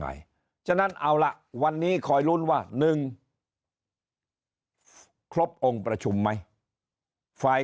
ฉะนั้นเอาล่ะวันนี้คอยลุ้นว่า๑ครบองค์ประชุมไหมฝ่าย